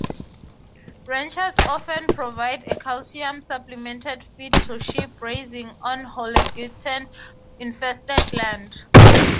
Ranchers often provide calcium-supplemented feed to sheep grazing on halogeton-infested land.